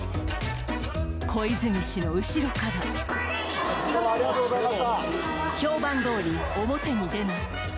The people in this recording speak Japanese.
小泉氏の後ろから、評判どおり、表に出ない。